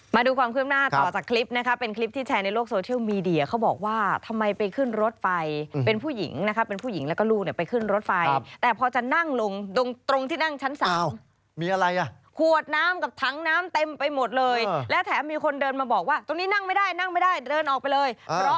มาดูความขึ้นหน้าต่อจากคลิปนะคะเป็นคลิปที่แชร์ในโลกโซเชียลมีเดียเขาบอกว่าทำไมไปขึ้นรถไฟเป็นผู้หญิงนะคะเป็นผู้หญิงแล้วก็ลูกเนี่ยไปขึ้นรถไฟแต่พอจะนั่งลงตรงตรงที่นั่งชั้น๓มีอะไรอ่ะขวดน้ำกับถังน้ำเต็มไปหมดเลยและแถมมีคนเดินมาบอกว่าตรงนี้นั่งไม่ได้นั่งไม่ได้เดินออกไปเลยเพราะ